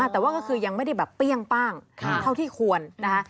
แต่ว่าก็คือยังไม่ได้แบบเปรี้ยงป้างเท่าที่ควรนะคะ